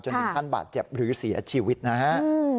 ถึงขั้นบาดเจ็บหรือเสียชีวิตนะฮะ